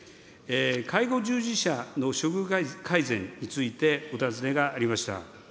介護従事者の処遇改善について、お尋ねがありました。